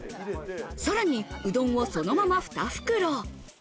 さらに、うどんを、そのまま２袋。